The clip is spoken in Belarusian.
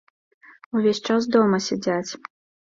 Увесь час дома сядзяць.